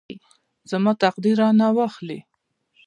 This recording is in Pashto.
زما تقدیر رانه واخلي.